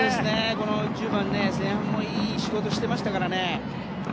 この１０番、前半もいい仕事してましたからね。